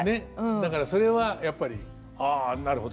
だからそれはやっぱり「ああなるほど。